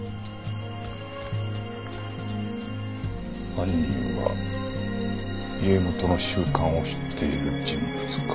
犯人は家元の習慣を知っている人物か。